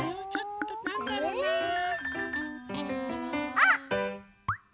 あっ！